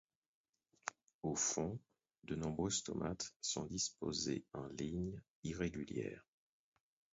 Au fond, de nombreux stomates sont disposés en lignes irrégulières.